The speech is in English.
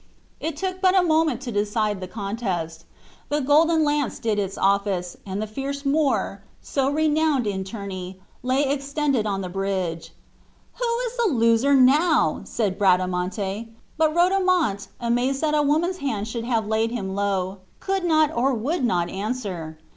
It took but a moment to decide the contest. The golden lance did its office, and that fierce Moor, so renowned in tourney, lay extended on the bridge. "Who is the loser now?" said Bradamante; but Rodomont, amazed that a woman's hand should have laid him low, could not or would not answer.